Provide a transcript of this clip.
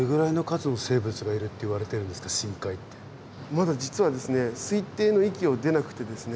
まだ実は推定の域を出なくてですね